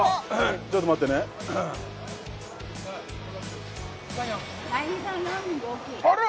ちょっと待ってねあら！